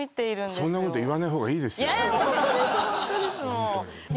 そんなこと言わない方がいいですえ